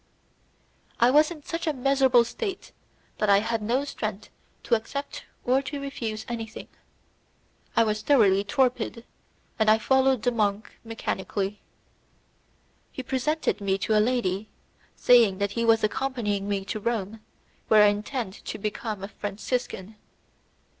I was in such a miserable state that I had no strength to accept or to refuse anything. I was thoroughly torpid, and I followed the monk mechanically. He presented me to a lady, saying that he was accompanying me to Rome, where I intend to become a Franciscan.